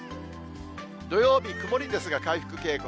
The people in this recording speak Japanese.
土曜日、曇りですが、回復傾向。